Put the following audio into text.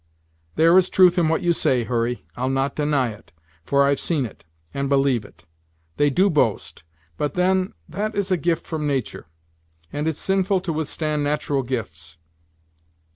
"There is truth in what you say, Hurry, I'll not deny it, for I've seen it, and believe it. They do boast, but then that is a gift from natur'; and it's sinful to withstand nat'ral gifts.